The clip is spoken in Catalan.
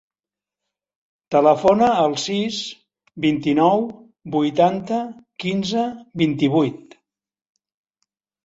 Telefona al sis, vint-i-nou, vuitanta, quinze, vint-i-vuit.